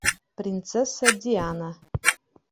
Принцесса Диана